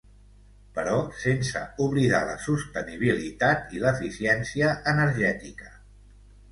Però sense oblidar la sostenibilitat i l'eficiència energètica.